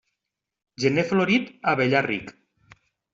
Gener florit, abellar ric.